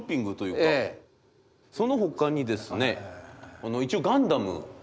そのほかにですね一応ガンダム。